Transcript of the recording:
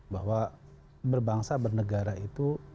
bahwa berbangsa bernegara itu